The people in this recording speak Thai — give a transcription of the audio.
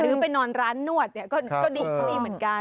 หรือไปนอนร้านนวดก็ดีหนูยเหมือนกัน